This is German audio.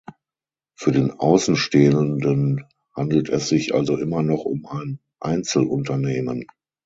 Für den Außenstehenden handelt es sich also immer noch um ein Einzelunternehmen.